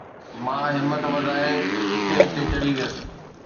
مان همت وڌائي اسٽيج تي چڙھي ويس